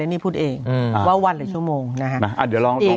เรนนี่พูดเองอืมว่าวันหรือชั่วโมงนะฮะอ่ะเดี๋ยวลองตรง